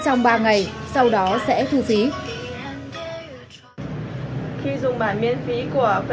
khi dùng bản miễn phí của faceplay thì tôi cảm thấy chạy rất là chậm và có nhiều quảng cáo nên tôi đã mua bản trả phí